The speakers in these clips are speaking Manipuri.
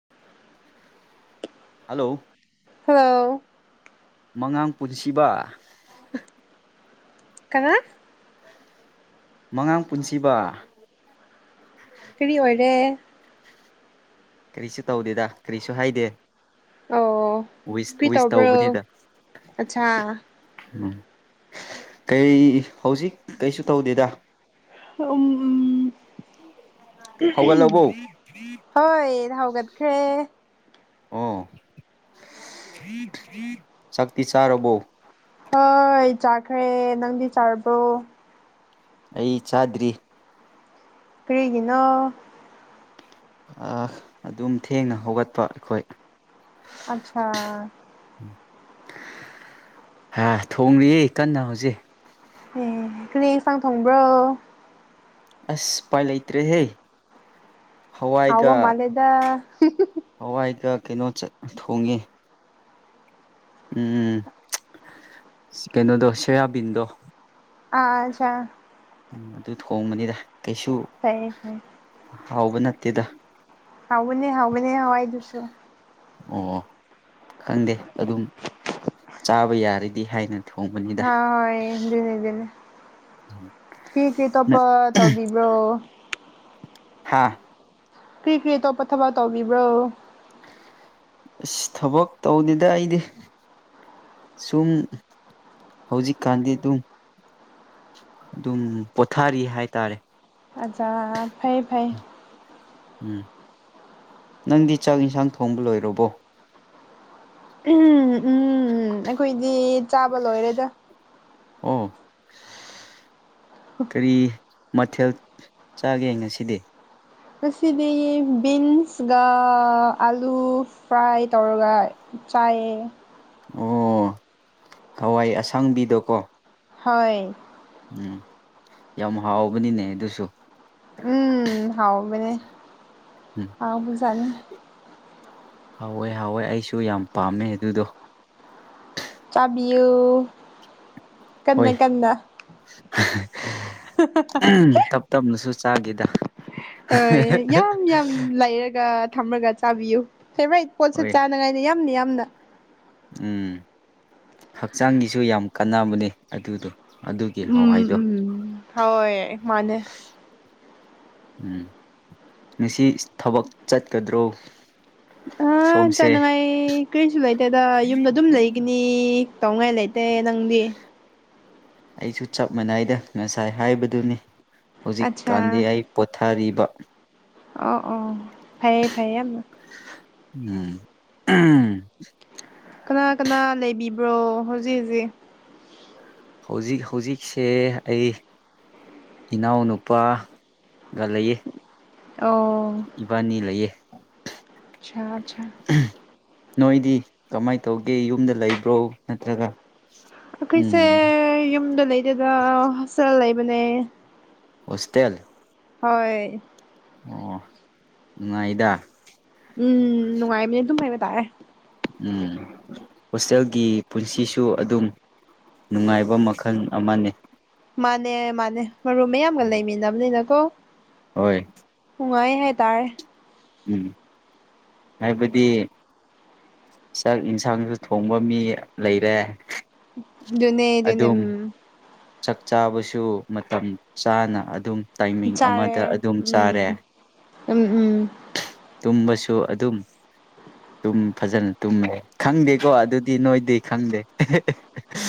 [inaudible] ꯍꯜꯂꯣ ꯍꯂꯣ ꯃꯉꯥꯡ ꯄꯨꯟꯁꯤꯕ ꯀꯅꯥ ꯃꯉꯥꯡ ꯄꯨꯟꯁꯤꯕꯥ ꯀꯔꯤ ꯑꯣꯏꯔꯦ ꯀꯔꯤꯁꯨ ꯇꯧꯗꯦꯗ ꯀꯔꯤꯁꯨ ꯍꯥꯏꯗꯦ ꯑꯣ ꯋꯤꯁ ꯀ꯭ꯔꯤ ꯋꯤꯁ ꯇꯧꯕ꯭ꯔꯣ ꯇꯧꯕꯅꯤꯗ ꯑꯠꯆꯥꯥ ꯎꯝ ꯀꯔꯤ ꯍꯧꯖꯤꯛ ꯀꯩꯁꯨ ꯇꯧꯗꯦꯗ ꯍꯝ [unintelligible] ꯍꯧꯒꯠꯂꯕꯣ ꯍꯣꯏ ꯍꯧꯒꯠꯈ꯭ꯔꯦ ꯑꯣ ꯆꯥꯛꯇꯤ ꯆꯥꯔꯕꯣ ꯍꯣꯏ ꯆꯥꯈ꯭ꯔꯦ ꯅꯪꯗꯤ ꯆꯥꯔꯕ꯭ꯔꯣ ꯑꯩ ꯆꯥꯗ꯭ꯔꯤ ꯀꯔꯤꯒꯤꯅꯣ ꯑꯥ ꯑꯗꯨꯝ ꯊꯦꯡꯅ ꯍꯧꯒꯠꯄ ꯑꯈꯣꯏ ꯑꯠꯁꯥ ꯍꯥ ꯊꯣꯡꯂꯤꯌꯦ ꯀꯟꯅ ꯍꯧꯖꯤꯛ ꯑꯦ ꯀꯔꯤ ꯏꯟꯁꯥꯡ ꯊꯣꯡꯕ꯭ꯔꯣ ꯑꯁ ꯎꯄꯥꯏ ꯂꯩꯇ꯭ꯔꯦꯍꯦ ꯍꯥꯎꯕ ꯍꯋꯥꯏꯒ ꯃꯥꯂꯦꯗ ꯍꯋꯥꯏꯒ ꯀꯩꯅꯣ ꯆꯠ ꯊꯣꯡꯉꯦ ꯎꯝ ꯀꯩꯅꯣꯗꯣ ꯁꯣꯌꯥꯕꯤꯟꯗꯣ ꯑꯥ ꯑꯥ ꯑꯠꯁꯥ ꯎꯝ ꯑꯗꯨ ꯊꯣꯡꯕꯅꯤꯗ ꯀꯩꯁꯨ ꯐꯩꯌꯦ ꯐꯩ ꯍꯥꯎꯕ ꯅꯠꯇꯦꯗ ꯍꯥꯎꯕꯅꯦ ꯍꯥꯎꯕꯅꯦ ꯍꯋꯥꯏ [inaudible] ꯑꯣ ꯑꯣ ꯈꯪꯗꯦ ꯑꯗꯨꯝ ꯆꯥꯕ ꯌꯥꯔꯗꯤ ꯍꯥꯏꯅ ꯊꯣꯡꯕꯅꯤꯗ ꯍꯥ ꯍꯣꯏ ꯗꯨꯅꯦ ꯗꯨꯅꯦ ꯀꯔꯤ ꯀꯔꯤ ꯇꯧꯄꯣ ꯅꯪ ꯇꯧꯕꯤ ꯕ꯭ꯔꯣ ꯍꯥꯥ ꯀ꯭ꯔꯤ ꯀ꯭ꯔꯤ ꯑꯇꯣꯞꯄ ꯊꯕꯛ ꯇꯧꯕꯤꯕ꯭ꯔꯣ ꯑꯁ ꯊꯕꯛ ꯇꯧꯗꯦꯗ ꯑꯩꯗꯤ ꯁꯨꯝ ꯍꯧꯖꯤꯛꯀꯥꯟꯗꯤ ꯑꯗꯨꯝ ꯑꯗꯨꯝ ꯄꯣꯊꯥꯔꯤ ꯍꯥꯏꯇꯥꯔꯦ ꯑꯆꯥꯥ ꯐꯩ ꯐꯩ ꯎꯝ ꯅꯪꯗꯤ ꯆꯥꯛ ꯏꯟꯁꯥꯡ ꯊꯣꯡꯕ ꯂꯣꯏꯔꯕꯣ ꯎꯝ ꯎꯝꯝ ꯑꯩꯈꯣꯏꯗꯤ ꯆꯥꯕ ꯂꯣꯏꯔꯦꯗ ꯑꯣ ꯀꯔꯤ ꯃꯊꯦꯜ ꯆꯥꯒꯦ ꯉꯁꯤꯗꯤ ꯉꯁꯤꯗꯤ ꯕꯤꯟꯁꯒ ꯑꯂꯨ ꯐ꯭ꯔꯥꯏ ꯇꯧꯔꯒ ꯆꯥꯏꯌꯦ ꯑꯣ ꯍꯋꯥꯏ ꯑꯁꯡꯕꯤꯗꯣꯀꯣ ꯍꯣꯏ ꯌꯥꯝ ꯍꯥꯎꯕꯅꯤꯅꯦ ꯑꯗꯨꯁꯨ ꯎꯝ ꯍꯥꯎꯕꯅꯦ ꯎꯝ ꯍꯥꯎꯕꯖꯥꯠꯅꯤ ꯍꯥꯎꯋꯦ ꯍꯥꯎꯋꯦ ꯑꯩꯁꯨ ꯌꯥꯝ ꯄꯥꯝꯃꯦ ꯑꯗꯨꯗꯣ ꯆꯥꯕꯤꯌꯨ ꯀꯟꯅ ꯍꯣꯏ ꯀꯟꯅ [unintelligible] [unintelligible] ꯇꯞ ꯇꯞꯅꯁꯨ ꯆꯥꯒꯦꯗ ꯑꯣꯏ ꯌꯥꯝ ꯌꯥꯝ ꯂꯩꯔꯒ ꯊꯝꯃꯒ ꯆꯥꯕꯤꯌꯨ ꯐꯦꯚꯔꯥꯏꯠ ꯄꯣꯠꯁꯦ ꯍꯣꯏ ꯆꯥꯅꯉꯥꯏꯅꯤ ꯌꯥꯝ ꯌꯥꯝꯅ ꯎꯝ ꯍꯛꯆꯥꯡꯒꯤꯁꯨ ꯌꯥꯝ ꯀꯥꯟꯅꯕꯅꯦ ꯑꯗꯨꯗꯣ ꯑꯗꯨꯒꯤ ꯎꯝ ꯍꯋꯥꯏꯗꯣ ꯎꯝ ꯍꯣꯏ ꯃꯥꯅꯦ ꯎꯝ ꯉꯁꯤ ꯊꯕꯛ ꯆꯠꯀꯗ꯭ꯔꯣ ꯑꯥ ꯁꯣꯝꯁꯦ ꯆꯥꯅꯉꯥꯏ ꯀꯔꯤꯁꯨ ꯂꯩꯇꯦꯗ ꯌꯨꯝꯗ ꯑꯗꯨꯝ ꯂꯩꯒꯅꯤ ꯇꯧꯉꯥꯏ ꯂꯩ ꯇꯦ ꯅꯪꯗꯤ ꯑꯩꯁꯨ ꯆꯞ ꯃꯥꯟꯅꯩꯗ ꯉꯁꯥꯏ ꯍꯥꯏꯕꯗꯨꯅꯤ ꯍꯧꯖꯤꯛꯀꯥꯟꯗꯤ ꯑꯠꯆꯥ ꯑꯩ ꯄꯣꯊꯥꯔꯤꯕ ꯑꯣ ꯑꯣ ꯐꯩꯌꯦ ꯐꯩꯌꯦ ꯌꯥꯝꯅ ꯎꯝ [unintelligible] ꯀꯅꯥ ꯀꯅꯥ ꯂꯩꯕꯤꯕ꯭ꯔꯣ ꯍꯧꯖꯤꯛ ꯍꯧꯖꯤꯛ ꯍꯧꯖꯤꯛ ꯍꯧꯖꯤꯛꯁꯦ ꯑꯩ ꯏꯅꯥꯎꯅꯨꯄꯥꯒ ꯂꯩꯌꯦ ꯑꯣ ꯏꯕꯥꯅꯤ ꯂꯩꯌꯦ ꯑꯠꯆꯥ ꯆꯥ ꯅꯣꯏꯗꯤ ꯀꯃꯥꯏ ꯇꯧꯒꯦ ꯌꯨꯝꯗ ꯂꯩꯕ꯭ꯔꯣ ꯅꯠꯇ꯭ꯔꯒ ꯑꯩꯈꯣꯏꯁꯦ ꯎꯝ ꯌꯨꯝꯗ ꯂꯩꯇꯦꯗ ꯍꯣꯁꯇꯦꯜ ꯂꯩꯕꯅꯦ ꯍꯣꯁꯇꯦꯜ ꯍꯣꯏ ꯑꯣ ꯅꯨꯡꯉꯥꯏꯗ ꯎꯝ ꯅꯨꯡꯉꯥꯏꯝꯅꯦ ꯑꯗꯨꯝ ꯍꯥꯏꯕ ꯇꯥꯔꯦ ꯎꯝ ꯍꯣꯁꯇꯦꯜꯒꯤ ꯄꯨꯟꯁꯤꯁꯨ ꯑꯗꯨꯝ ꯅꯨꯡꯉꯥꯏꯕ ꯃꯈꯟ ꯑꯃꯅꯦ ꯃꯥꯅꯦ ꯃꯥꯅꯦ ꯃꯔꯨꯝ ꯃꯌꯥꯝꯒ ꯂꯩꯃꯤꯟꯅꯝꯅꯤꯅꯀꯣ ꯍꯦ ꯅꯨꯡꯉꯥꯏꯌꯦ ꯍꯥꯏ ꯇꯥꯔꯦ ꯎꯝ ꯍꯥꯏꯕꯗꯤ ꯆꯥꯛ ꯏꯟꯁꯥꯡꯁꯨ ꯊꯣꯡꯕ ꯃꯤ ꯂꯩꯔꯦ ꯑꯗꯨꯅꯦ ꯗꯨꯅꯦ ꯑꯗꯨꯝ ꯎꯝ ꯆꯥꯛ ꯆꯥꯕꯁꯨ ꯃꯇꯝ ꯆꯥꯅ ꯑꯗꯨꯝ ꯇꯥꯏꯃꯤꯡ ꯑꯃꯗ ꯑꯗꯨꯝ ꯆꯥꯔꯦ ꯑꯗꯨ ꯎꯝ ꯇꯨꯝꯕꯁꯨ ꯑꯗꯨꯝ ꯇꯨꯝ ꯐꯥꯖꯅ ꯇꯨꯝꯃꯦ ꯈꯪꯗꯦꯀꯣ ꯑꯗꯨꯗꯤ ꯅꯣꯏꯗꯤ ꯈꯪꯗꯦ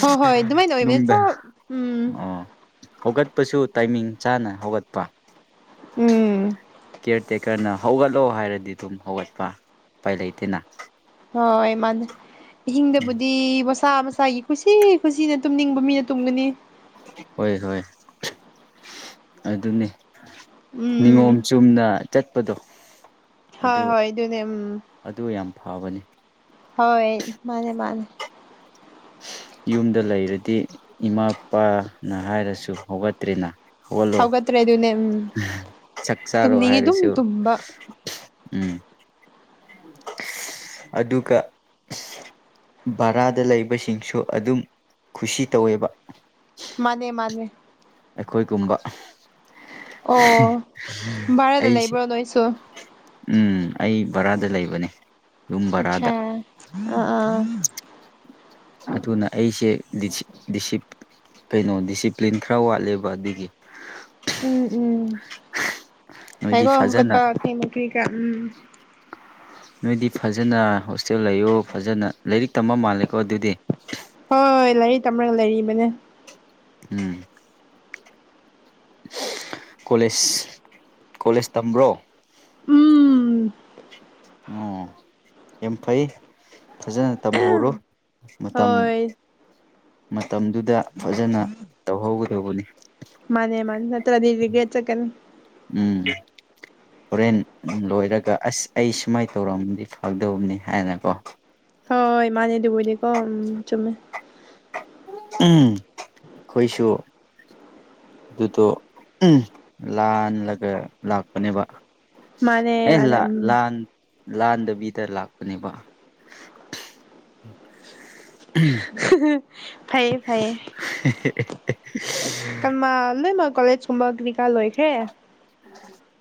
ꯍꯣꯏ ꯍꯣꯏ ꯑꯗꯨꯃꯥꯏꯅ ꯑꯣꯏꯕꯅꯦ ꯅꯨꯡꯗ ꯆꯞ ꯎꯝ ꯑꯣ ꯍꯧꯒꯠꯄꯁꯨ ꯇꯥꯏꯃꯤꯡ ꯆꯥꯅ ꯍꯧꯒꯠꯄ ꯎꯝ ꯀ꯭ꯌꯔ ꯇꯦꯀꯔꯅ ꯍꯧꯒꯠꯂꯣ ꯍꯥꯏꯔꯗꯤ ꯑꯗꯨꯝ ꯍꯧꯒꯠꯄ ꯎꯄꯥꯏ ꯂꯩꯇꯦꯅ ꯍꯣꯏ ꯃꯥꯅꯦ ꯏꯍꯤꯡꯗꯕꯨꯗꯤ ꯃꯁꯥ ꯃꯁꯥꯒꯤ ꯈꯨꯁꯤ ꯈꯨꯁꯤꯗ ꯇꯨꯝꯅꯤꯡꯕ ꯃꯤꯅ ꯇꯨꯝꯒꯅꯤ ꯍꯣꯏ ꯍꯣꯏ ꯑꯗꯨꯅꯦ ꯎꯝ ꯅꯤꯌꯣꯝ ꯆꯨꯝꯅ ꯆꯠꯄꯗꯣ ꯍꯣꯏ ꯑꯗꯨ ꯍꯣꯏ ꯑꯗꯨꯅꯦ ꯎꯝ ꯑꯗꯨ ꯌꯥꯝ ꯐꯥꯕꯅꯦ ꯍꯣꯏ ꯃꯥꯅꯦ ꯃꯥꯅꯦ ꯌꯨꯝꯗ ꯂꯩꯔꯗꯤ ꯏꯃꯥꯄꯥꯅ ꯍꯥꯏꯔꯁꯨ ꯍꯧꯒꯠꯇ꯭ꯔꯦꯅ ꯍꯧꯒꯠꯂꯣ ꯍꯧꯒꯠꯇ꯭ꯔꯦ ꯑꯗꯨꯅꯦ ꯎꯝ ꯆꯥꯛ ꯆꯥꯔꯣ ꯇꯨꯝꯅꯤꯡꯉꯤ ꯍꯥꯏꯔꯁꯨ ꯑꯗꯨꯝ ꯇꯨꯝꯕ ꯎꯝ ꯑꯗꯨꯒ ꯕꯥꯔꯥꯗ ꯂꯩꯕꯁꯤꯡꯁꯨ ꯑꯗꯨꯝ ꯈꯨꯁꯤ ꯇꯧꯋꯦꯕ ꯃꯥꯅꯦ ꯃꯥꯅꯦ ꯑꯩꯈꯣꯏꯒꯨꯝꯕ ꯑꯣ ꯚꯔꯥꯗ ꯑꯩꯁꯦ ꯂꯩꯕ꯭ꯔꯣ ꯅꯣꯏꯁꯨ ꯎꯝ ꯑꯩ ꯕꯥꯔꯥꯗ ꯂꯩꯕꯅꯦ ꯌꯨꯝ ꯚꯔꯥꯗ ꯑꯠꯁꯥ ꯑꯥ ꯑꯥ ꯑꯗꯨꯅ ꯑꯩꯁꯦ ꯂꯤꯁꯤꯞ ꯗꯤꯁꯤꯞ ꯀꯩꯅꯣ ꯗꯤꯁꯤꯄ꯭ꯂꯤꯟ ꯈꯔ ꯋꯥꯠꯂꯦꯕ ꯑꯗꯨꯒꯤ ꯎꯝ ꯎꯝ ꯅꯣꯏꯗꯤ ꯐꯩꯒꯣ ꯐꯖꯅ ꯍꯧꯒꯠꯄ [unintelligible] ꯀ꯭ꯔꯤꯀꯔꯥ ꯎꯝ ꯅꯣꯏꯗꯤ ꯐꯖꯅ ꯍꯣꯁꯇꯦꯜ ꯂꯩꯌꯣ ꯐꯖꯅ ꯂꯩꯔꯤꯛ ꯇꯝꯕ ꯃꯥꯜꯂꯦꯀꯣ ꯑꯗꯨꯗꯤ ꯍꯣꯏ ꯂꯥꯏꯔꯤꯠ ꯇꯝꯔꯒ ꯂꯩꯔꯤꯕꯅꯦ ꯎꯝ ꯀꯣꯂꯦꯖ ꯀꯣꯂꯦꯖ ꯇꯝꯕ꯭ꯔꯣ ꯎꯝ ꯑꯣ ꯌꯥꯝ ꯐꯩ ꯐꯖꯅ ꯇꯝꯍꯧꯔꯣ ꯃꯇꯝ ꯍꯣꯏ ꯃꯇꯝꯗꯨꯗ ꯐꯖꯅ ꯇꯧꯍꯧꯒꯗꯧꯕꯅꯤ ꯃꯥꯅꯦ ꯃꯥꯟ ꯅꯠꯇ꯭ꯔꯗꯤ ꯔꯤꯒ꯭ꯔꯦꯠ ꯆꯠꯀꯅꯤ ꯎꯝ ꯍꯣꯔꯦꯟ ꯂꯣꯏꯔꯒ ꯑꯁ ꯑꯩ ꯁꯨꯃꯥꯏ ꯇꯧꯔꯝꯃꯗꯤ ꯐꯥꯗꯧꯕꯅꯦ ꯍꯥꯏꯅꯀꯣ ꯍꯣꯏ ꯃꯥꯅꯦ ꯗꯨꯕꯨꯗꯤ ꯀꯣ ꯎꯝ ꯆꯨꯝꯃꯦ ꯎꯝ ꯈꯣꯏꯁꯨ ꯗꯨꯗꯣ ꯂꯥꯟꯂꯒ ꯂꯥꯛꯄꯅꯦꯕ ꯃꯥꯅꯦ ꯃꯥꯅꯦ ꯑꯩꯂꯥ ꯎꯝ ꯂꯥꯟ ꯂꯥꯟꯗꯕꯤꯗ ꯂꯥꯛꯄꯅꯦꯕ ꯐꯩꯌꯦ ꯐꯩꯌꯦ ꯀꯜꯃꯥ ꯂꯣꯏꯃꯥ ꯀꯣꯂꯦꯖ ꯀꯨꯝꯕ ꯀꯔꯤꯀꯥ ꯂꯣꯏꯈ꯭ꯔꯦ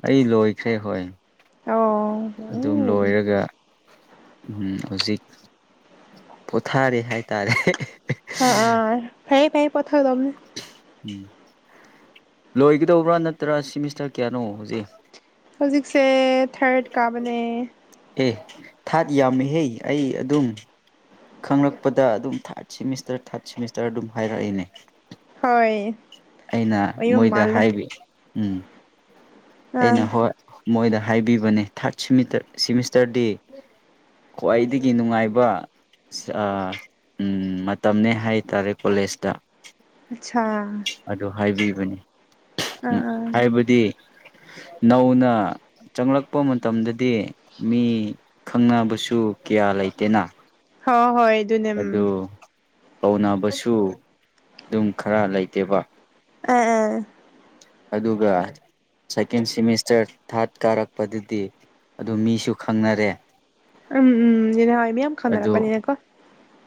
ꯑꯩ ꯂꯣꯏꯈ꯭ꯔꯦ ꯍꯣꯏ ꯑꯣ ꯑꯗꯨꯝ ꯎꯝ ꯂꯣꯏꯔꯒ ꯎꯝ ꯍꯧꯖꯤꯛ ꯄꯣꯊꯥꯔꯦ ꯍꯥꯏꯇꯥꯔꯦ ꯑꯥ ꯑꯥ ꯐꯩꯌꯦ ꯐꯩꯌꯦ ꯄꯣꯊꯥꯒꯗꯧꯝꯅꯦ ꯎꯝ ꯂꯣꯏꯒꯗꯧꯕ꯭ꯔꯥ ꯅꯠꯇ꯭ꯔ ꯁꯤꯃꯤꯁꯇꯔ ꯀꯌꯥꯅꯣ ꯍꯨꯖꯤꯛ ꯍꯧꯖꯤꯛꯁꯦ ꯊꯔꯠ ꯀꯥꯕꯅꯦ ꯑꯦ ꯊꯥꯠ ꯌꯥꯝꯃꯤꯍꯦ ꯑꯩ ꯑꯗꯨꯝ ꯈꯪꯔꯛꯄꯗ ꯑꯗꯨꯝ ꯊꯥꯔꯠ ꯁꯤꯃꯤꯁꯇꯔ ꯊꯥꯔꯠ ꯁꯦꯃꯤꯁꯇꯔ ꯗꯨꯝ ꯍꯥꯏꯔꯛꯑꯦꯅꯦ ꯍꯣꯏ ꯑꯩꯅ ꯑꯣꯏꯌꯨꯝ ꯃꯣꯏꯗ ꯃꯥꯜꯂꯦ ꯍꯥꯏꯕꯤ ꯎꯝ ꯑꯩꯅ ꯑꯥ ꯍꯣꯏ ꯃꯣꯏꯗ ꯍꯥꯏꯕꯤꯕꯅꯦ ꯊꯥꯔꯠ ꯁꯤꯃꯤꯇ ꯁꯤꯃꯤꯁꯇꯔꯗꯤ ꯈ꯭ꯋꯥꯏꯗꯒꯤ ꯅꯨꯉꯥꯏꯕ ꯁꯑꯥ ꯎꯝ ꯃꯇꯝꯅꯦ ꯍꯥꯏꯇꯥꯔꯦ ꯀꯣꯂꯦꯖꯇꯥ ꯑꯠꯁꯥ ꯑꯗꯨ ꯍꯥꯏꯕꯤꯕꯅꯤ ꯎꯝ ꯑꯥ ꯑꯥ ꯍꯥꯏꯕꯗꯤ ꯅꯧꯅ ꯆꯪꯔꯛꯄ ꯃꯇꯝꯗꯗꯤ ꯃꯤ ꯈꯪꯅꯕꯁꯨ ꯀꯌꯥ ꯂꯩꯇꯦꯅ ꯍꯣ ꯍꯣꯏ ꯑꯗꯨꯅꯦ ꯑꯗꯨ ꯎꯝ ꯀꯧꯅꯕꯁꯨ ꯗꯨꯝ ꯈꯔ ꯂꯩꯇꯦꯕ ꯑꯦ ꯑꯦ ꯑꯗꯨꯒ ꯁꯥꯏꯀꯦꯟ ꯁꯤꯃꯤꯁꯇꯔ ꯊꯥꯠ ꯀꯥꯔꯛꯄꯗꯗꯤ ꯑꯗꯨ ꯃꯤꯁꯨ ꯈꯪꯅꯔꯦ ꯎꯝ ꯎꯝ [unintelligible] ꯃꯤꯌꯥꯝ ꯑꯗꯨ ꯈꯪꯅꯔꯛꯄꯅꯤꯅꯀꯣ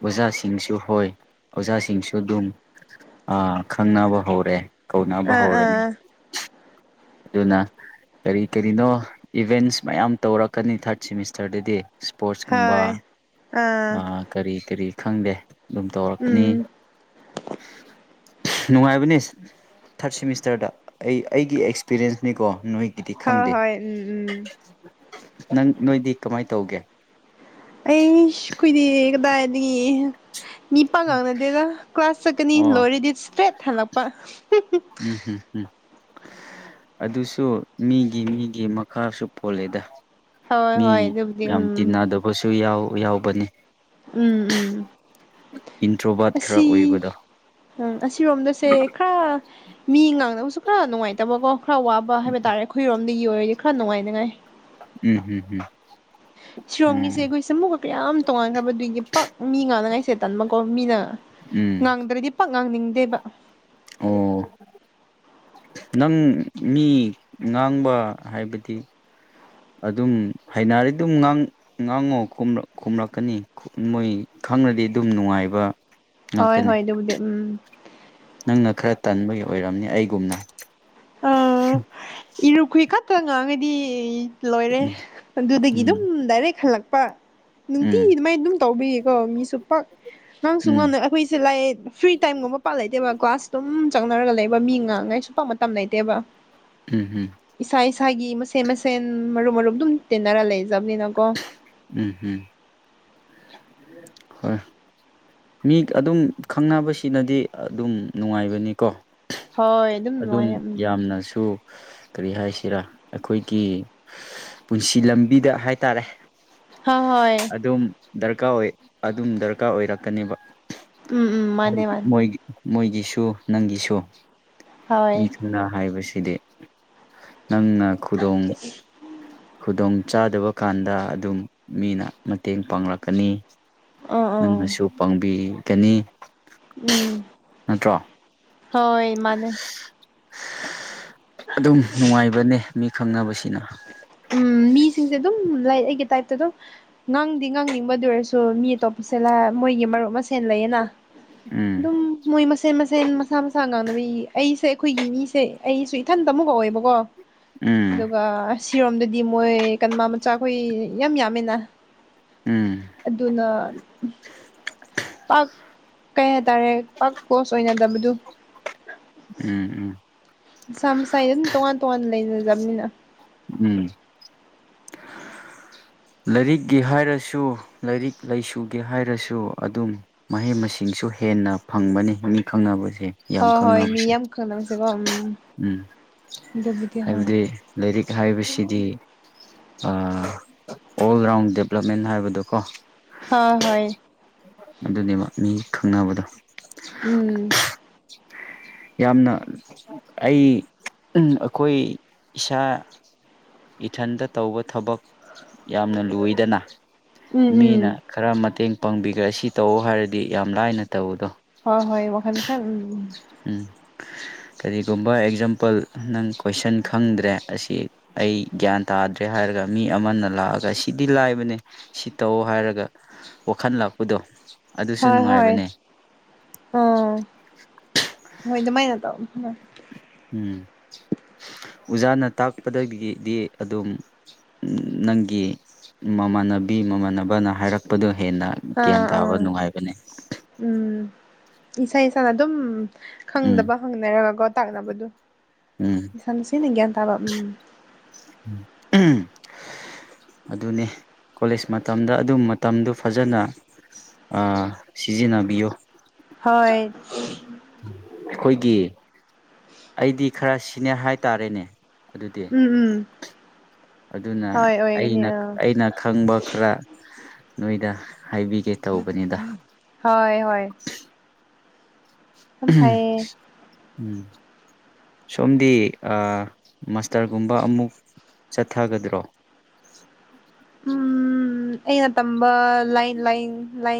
ꯑꯣꯖꯥꯁꯤꯡꯁꯨ ꯍꯣꯏ ꯑꯣꯖꯥꯁꯤꯡꯁꯨ ꯑꯗꯨꯝ ꯑꯥ ꯈꯪꯅꯕ ꯍꯧꯔꯦ ꯀꯧꯅꯕ ꯑꯥ ꯍꯧꯔꯅꯤ ꯑꯥ ꯑꯗꯨꯅ ꯀꯔꯤ ꯀꯔꯤꯅꯣ ꯏꯚꯦꯟꯁ ꯃꯌꯥꯝ ꯇꯧꯔꯛꯀꯅꯤ ꯊꯥꯔꯠ ꯁꯤꯃꯤꯁꯇꯔꯗꯗꯤ ꯏꯁꯄꯣꯔꯠꯁꯀꯨꯝꯕ ꯍꯣꯏ ꯑꯥ ꯀꯔꯤ ꯀꯔꯤ ꯈꯪꯗꯦ ꯑꯗꯨꯝ ꯇꯧꯔꯛꯀꯅꯤ ꯎꯝ ꯅꯨꯡꯉꯥꯏꯕꯅꯦ ꯊꯥꯔꯠ ꯁꯤꯃꯤꯁꯇꯔꯗ ꯑꯩ ꯑꯩꯒꯤ ꯑꯦꯛꯁ ꯑꯦꯛꯁꯄꯤꯔꯦꯟꯁꯅꯤꯀꯣ ꯅꯣꯏꯒꯤꯗꯤ ꯍꯣꯏ ꯈꯪꯗꯦ ꯍꯣꯏ ꯎꯝ ꯎꯝ ꯅꯪ ꯅꯣꯏꯗꯤ ꯀꯃꯥꯏ ꯇꯧꯒꯦ ꯑꯩꯁ ꯈꯣꯏꯗꯤ ꯀꯗꯥꯏꯗꯒꯤ ꯃꯤ ꯄꯥꯡ ꯉꯥꯡꯅꯗꯦꯗ ꯀ꯭ꯂꯥꯁ ꯆꯠꯀꯅꯤ ꯑꯣ ꯂꯣꯏꯔꯗꯤ ꯏꯁꯇ꯭ꯔꯦꯠ ꯍꯜꯂꯛꯄ [unintelligible] ꯎꯝ ꯍꯝ ꯍꯝ ꯑꯗꯨꯁꯨ ꯃꯤꯒꯤ ꯃꯤꯒꯤ ꯃꯈꯥꯁꯨ ꯄꯣꯜꯂꯦꯗ ꯍꯣꯏ ꯃꯤ ꯍꯣꯏ ꯑꯗꯨꯕꯨꯗꯤ ꯌꯥꯝ ꯎꯝ ꯇꯤꯟꯅꯗꯕꯁꯨ ꯌꯥꯎ ꯌꯥꯎꯕꯅꯦ ꯎꯝ ꯎꯝ ꯏꯟꯇ꯭ꯔꯣꯕꯥꯠ ꯈꯔ ꯑꯁꯤ ꯑꯣꯏꯕꯗꯣ ꯎꯝ ꯑꯁꯤꯔꯣꯝꯗꯁꯦ ꯈꯔ ꯃꯤ ꯉꯥꯡꯅꯕꯁꯨ ꯈꯔ ꯅꯨꯡꯉꯥꯏꯇꯕꯀꯣ ꯈꯔ ꯋꯥꯕ ꯄꯥ ꯍꯥꯏꯕ ꯇꯥꯔꯦ ꯑꯩꯈꯣꯏꯔꯣꯝꯗꯒꯤ ꯑꯣꯏꯔꯗꯤ ꯈꯔ ꯅꯨꯡꯉꯥꯏꯅꯤꯉꯥꯏ ꯎꯝ ꯎꯝ ꯎꯝ ꯁꯤꯔꯣꯝꯒꯤꯁꯦ ꯎꯝ ꯑꯩꯈꯣꯏꯁꯦ ꯃꯨꯛꯀ ꯀꯌꯥꯝ ꯇꯣꯉꯥꯟꯈ꯭ꯔꯕ ꯑꯗꯨꯒꯤ ꯄꯛ ꯃꯤ ꯉꯥꯡꯅꯉꯥꯏꯁꯦ ꯇꯟꯕꯀꯣ ꯃꯤꯅ ꯎꯝ ꯉꯥꯡꯗ꯭ꯔꯗꯤ ꯄꯥꯛ ꯉꯥꯡꯅꯤꯡꯗꯦꯕ ꯑꯣ ꯅꯪ ꯃꯤ ꯉꯥꯡꯕ ꯍꯥꯏꯕꯗꯤ ꯑꯗꯨꯝ ꯍꯩꯅꯔꯤ ꯑꯗꯨꯝ ꯉꯥꯡ ꯉꯥꯡꯉꯣ ꯈꯨꯝꯔꯛ ꯈꯨꯝꯔꯛꯀꯅꯤ ꯃꯣꯏ ꯈꯪꯔꯗꯤ ꯑꯗꯨꯝ ꯅꯨꯡꯉꯥꯏꯕ ꯍꯣꯏ ꯉꯥꯛꯇꯅꯤ ꯍꯣꯏ ꯑꯗꯨꯕꯨꯗꯤ ꯎꯝ ꯅꯪꯅ ꯈꯔ ꯇꯟꯕꯒꯤ ꯑꯣꯏꯔꯝꯅꯤ ꯑꯩꯒꯨꯝꯅ ꯑꯥ ꯏꯔꯨꯞꯈꯣꯏ ꯈꯛꯇ ꯉꯥꯡꯉꯗꯤ ꯂꯣꯏꯔꯦ ꯑꯗꯨꯗꯒꯤ ꯑꯗꯨꯝ ꯎꯝ ꯗꯥꯏꯔꯦꯛ ꯍꯜꯂꯛꯄ ꯅꯨꯡꯇꯤꯒꯤ ꯎꯝ ꯑꯗꯨꯃꯥꯏꯟ ꯑꯗꯨꯝ ꯇꯧꯕꯤꯒꯤꯀꯣ ꯃꯤꯁꯨ ꯄꯛ ꯉꯥꯡꯁꯨ ꯎꯝ ꯉꯅ ꯑꯩꯈꯣꯏꯁꯦ ꯂꯥꯏꯑ ꯐ꯭ꯔꯤ ꯇꯥꯏꯝꯒꯨꯝꯕ ꯄꯥ ꯂꯩꯇꯦꯕ ꯀ꯭ꯂꯥꯁ ꯑꯗꯨꯝ ꯆꯪꯅꯔꯒ ꯂꯩꯕ ꯃꯤ ꯉꯥꯡꯉꯥꯏꯁꯨ ꯄꯥꯛ ꯃꯇꯝ ꯂꯩꯇꯦꯕ ꯎꯝ ꯍꯝ ꯏꯁꯥ ꯏꯁꯥꯒꯤ ꯃꯁꯦꯟ ꯃꯁꯦꯟ ꯃꯔꯨꯞ ꯃꯔꯨꯞ ꯑꯗꯨꯝ ꯇꯤꯟꯅꯔ ꯂꯩꯖꯕꯅꯤꯅꯀꯣ ꯎꯝ ꯎꯝ ꯍꯣꯏ ꯃꯤ ꯑꯗꯨꯝ ꯈꯪꯅꯕꯁꯤꯅꯗꯤ ꯑꯗꯨꯝ ꯅꯨꯡꯉꯥꯏꯕꯅꯤꯀꯣ ꯍꯣꯏ ꯑꯗꯨꯝ ꯅꯨꯡꯉꯥꯏꯌꯦ ꯎꯝ ꯌꯥꯝꯅꯁꯨ ꯀꯔꯤ ꯍꯥꯏꯁꯤꯔ ꯑꯩꯈꯣꯏꯒꯤ ꯄꯨꯟꯁꯤ ꯂꯝꯕꯤꯗ ꯍꯥꯏꯇꯥꯔꯦ ꯍꯥ ꯍꯣꯏ ꯑꯗꯨꯝ ꯗꯔꯀꯥꯔ ꯑꯣꯏ ꯑꯗꯨꯝ ꯗꯔꯀꯥꯔ ꯑꯣꯏꯔꯛꯀꯅꯦꯕ ꯎꯝ ꯎꯝ ꯃꯥꯅꯦ ꯃꯣꯏꯒꯤ ꯃꯥꯅꯦ ꯃꯣꯏꯒꯤ ꯃꯣꯏꯒꯤꯁꯨ ꯅꯪꯒꯤꯁꯨ ꯍꯣꯏ ꯃꯤꯁꯤꯡꯅ ꯍꯥꯏꯕꯁꯤꯗꯤ ꯅꯪꯅ ꯈꯨꯗꯣꯡ ꯈꯨꯗꯣꯡ ꯆꯥꯗꯕ ꯀꯥꯟꯗ ꯑꯗꯨꯝ ꯃꯤꯅ ꯃꯇꯦꯡ ꯄꯥꯡꯂꯛꯀꯅꯤ ꯑꯥ ꯑꯥ ꯅꯪꯅꯁꯨ ꯄꯥꯡꯕꯤꯒꯅꯤ ꯎꯝ ꯅꯠꯇ꯭ꯔꯣ ꯍꯣꯏ ꯃꯥꯅꯦ ꯑꯗꯨꯝ ꯅꯨꯡꯉꯥꯏꯕꯅꯦ ꯃꯤ ꯈꯪꯅꯕꯁꯤꯅ ꯎꯝ ꯃꯤꯁꯤꯡꯁꯦ ꯑꯗꯨꯝ ꯂꯥꯏꯛ ꯑꯩꯒꯤ ꯇꯥꯏꯞꯇ ꯑꯗꯨꯝ ꯉꯥꯡꯗꯤ ꯉꯥꯡꯅꯤꯡꯕꯗꯨ ꯑꯣꯏꯔꯁꯨ ꯃꯤ ꯑꯇꯣꯞꯄꯁꯦꯂ ꯃꯣꯏꯒꯤ ꯃꯔꯨꯞ ꯃꯁꯦꯟ ꯂꯩꯌꯦꯅ ꯎꯝ ꯑꯥꯗꯨꯝ ꯃꯣꯏ ꯃꯁꯦꯟ ꯃꯁꯦꯟ ꯃꯁꯥ ꯃꯁꯥ ꯉꯥꯡꯅꯕꯤ ꯑꯩꯁꯦ ꯑꯩꯈꯣꯏꯒꯤ ꯃꯤꯁꯦ ꯑꯩꯁꯨ ꯏꯊꯟꯇ ꯑꯃꯨꯛ ꯑꯣꯢꯕꯀꯣ ꯎꯝ ꯑꯗꯨꯒ ꯑꯁꯤꯔꯣꯝꯗꯗꯤ ꯃꯣꯏ ꯀꯟꯃ ꯃꯆꯥꯈꯣꯏ ꯌꯥꯝ ꯌꯥꯝꯃꯦꯅ ꯎꯝ ꯑꯗꯨꯅ ꯄꯥꯛ ꯀꯩ ꯍꯥꯏꯇꯥꯔꯦ ꯄꯥꯛ ꯀ꯭ꯂꯣꯁ ꯑꯣꯏꯅꯗꯕꯗꯨ ꯎꯝ ꯎꯝ ꯃꯁꯥ ꯃꯁꯥꯏ ꯑꯗꯨꯝ ꯇꯣꯉꯥꯟ ꯇꯣꯉꯥꯟꯅ ꯂꯩꯖꯕꯅꯤꯅ ꯎꯝ ꯂꯩꯔꯤꯛꯒꯤ ꯍꯥꯏꯔꯁꯨ ꯂꯩꯔꯤꯛ ꯂꯩꯁꯨꯒꯤ ꯍꯥꯏꯔꯁꯨ ꯑꯗꯨꯝ ꯃꯍꯩ ꯃꯁꯤꯡꯁꯨ ꯍꯦꯟꯅ ꯐꯪꯕꯅꯤ ꯃꯤ ꯈꯪꯅꯕꯁꯦ ꯌꯥꯝ ꯍꯣꯏ ꯍꯣꯏ ꯃꯤ ꯈꯪꯅꯕꯁꯦ ꯌꯥꯝ ꯈꯪꯅꯕꯁꯦꯀꯣ ꯎꯝ ꯎꯝ ꯑꯗꯨꯕꯨꯗꯤ ꯍꯣꯏ ꯍꯥꯏꯕꯗꯤ ꯂꯩꯔꯤꯛ ꯍꯥꯏꯕꯁꯤꯗꯤ ꯑ ꯑꯣꯜ ꯔꯥꯎꯟ ꯗꯦꯕ꯭ꯂꯞꯃꯦꯟ ꯍꯥꯏꯕꯗꯨꯀꯣ ꯍꯣꯏ ꯍꯣꯏ ꯑꯗꯨꯅꯦꯕ ꯃꯤ ꯈꯪꯅꯕꯗꯣ ꯎꯝ [inaudible] ꯌꯥꯝꯅ ꯑꯩ ꯎꯝ ꯑꯈꯣꯏ ꯏꯁꯥ ꯏꯊꯟꯇ ꯇꯧꯕ ꯊꯕꯛ ꯌꯥꯝꯅ ꯂꯣꯏꯗꯅ ꯎꯝ ꯎꯝ ꯃꯤꯅ ꯈꯔ ꯃꯇꯦꯡ ꯄꯥꯡꯕꯤꯒ ꯁꯤ ꯇꯧ ꯍꯥꯏꯔꯗꯤ ꯌꯥꯝ ꯂꯥꯏꯅ ꯇꯧꯕꯗꯣ ꯍꯣ ꯍꯣꯏ ꯋꯥꯈꯟ ꯈ ꯎꯝ ꯎꯝ ꯀꯔꯤꯒꯨꯝꯕ ꯑꯦꯛꯖꯥꯝꯄꯜ ꯅꯪ ꯀꯣꯏꯁꯟ ꯈꯪꯗ꯭ꯔꯦ ꯑꯁꯤ ꯑꯩ ꯒ꯭ꯌꯥꯟ ꯇꯥꯗ꯭ꯔꯦ ꯍꯥꯏꯔꯒ ꯃꯤ ꯑꯃꯅ ꯂꯥꯛꯑꯒ ꯁꯤꯗꯤ ꯂꯥꯏꯕꯅꯦ ꯁꯤ ꯇꯧ ꯍꯥꯏꯔꯒ ꯋꯥꯈꯟ ꯂꯥꯛꯄꯗꯣ ꯑꯗꯨꯁꯨ ꯍꯣꯢ ꯍꯣꯏ ꯅꯨꯡꯉꯥꯏꯕꯅꯦ ꯍ ꯍꯣꯏ ꯑꯗꯨꯃꯥꯏꯅ ꯇꯧ ꯎꯝ ꯑꯣꯖꯥꯅ ꯇꯥꯛꯄꯗꯒꯤꯗꯤ ꯑꯗꯨꯝ ꯅꯪꯒꯤ ꯃꯃꯥꯟꯅꯕꯤ ꯃꯃꯥꯟꯅꯕꯅ ꯍꯥꯏꯔꯛꯄꯗ ꯍꯦꯟꯅ ꯒ꯭ꯌꯥꯟ ꯑꯥ ꯇꯥꯕ ꯑꯥ ꯅꯨꯡꯉꯥꯏꯕꯅꯦ ꯎꯝ ꯏꯁꯥ ꯏꯁꯥ ꯑꯗꯨꯝ ꯎꯝ ꯈꯪꯗꯕ ꯍꯪꯅꯔꯒꯀꯣ ꯇꯥꯛꯅꯕꯗꯣ ꯎꯝ ꯏꯁꯥꯅ ꯅꯨꯁꯤꯅ ꯒ꯭ꯌꯥꯟ ꯇꯥꯕ ꯎꯝ ꯎꯝ ꯑꯗꯨꯅꯦ ꯀꯣꯂꯦꯖ ꯃꯇꯝꯗ ꯑꯗꯨꯝ ꯃꯇꯝꯗꯨ ꯐꯖꯅ ꯑ ꯁꯤꯖꯤꯟꯅꯕꯤꯌꯣ ꯍꯣꯏ ꯈꯣꯏꯒꯤ ꯑꯩꯗꯤ ꯈꯔ ꯁꯤꯅꯦꯌꯔ ꯍꯥꯏꯇꯥꯔꯦꯅꯦ ꯑꯗꯨꯗꯤ ꯎꯝ ꯎꯝ ꯑꯗꯨꯅ ꯍꯣꯏ ꯑꯣꯏꯒꯅꯤ ꯑꯩꯅ ꯑꯥ ꯑꯩꯅ ꯈꯪꯕ ꯈꯔ ꯅꯣꯏꯗ ꯍꯥꯏꯕꯤꯒꯦ ꯇꯧꯕꯅꯤꯗ ꯍꯣꯏ ꯍꯣꯏ ꯌꯥꯝ ꯐꯩꯌꯦ ꯎꯍꯨꯝ ꯁꯣꯝꯗꯤ ꯑ ꯃꯁꯇꯔꯒꯨꯝꯕ ꯑꯃꯨꯛ ꯆꯊꯒꯗ꯭ꯔꯣ ꯎꯝ ꯑꯩꯅ ꯇꯝꯕ ꯂꯥꯏꯟ ꯂꯥꯏ ꯂꯥꯏ